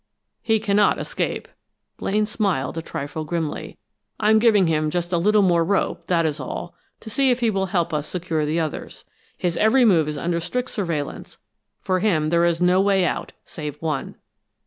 "He cannot escape." Blaine smiled a trifle grimly. "I'm giving him just a little more rope, that is all, to see if he will help us secure the others. His every move is under strict surveillance for him there is no way out, save one."